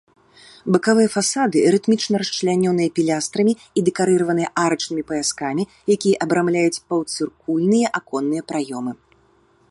Бакавыя фасады рытмічна расчлянёныя пілястрамі і дэкарыраваныя арачнымі паяскамі, якія абрамляюць паўцыркульныя аконныя праёмы.